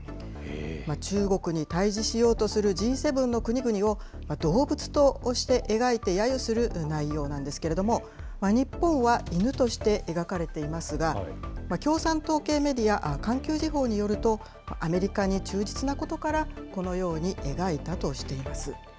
中国に対じしようとするＧ７の国々を、動物として描いてやゆする内容なんですけれども、日本は犬として描かれていますが、共産党系メディア、環球時報によると、アメリカに忠実なことから、このように描いたとしています。